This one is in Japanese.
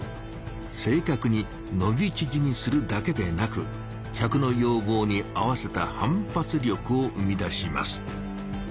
せいかくにのびちぢみするだけでなく客の要望に合わせた反発力を生み出します。